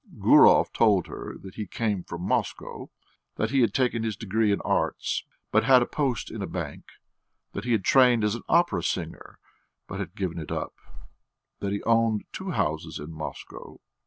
Gurov told her that he came from Moscow, that he had taken his degree in Arts, but had a post in a bank; that he had trained as an opera singer, but had given it up, that he owned two houses in Moscow....